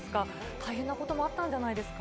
大変なこともあったんじゃないですか？